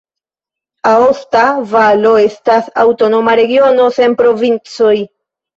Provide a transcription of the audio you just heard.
Aosta Valo estas aŭtonoma regiono sen provincoj.